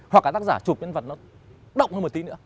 hoặc là tác giả chụp nhân vật nó động hơn một tí nữa